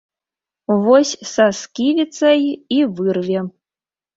Вось са сківіцай і вырве.